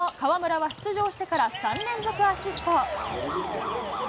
これで河村は出場してから３連続アシスト。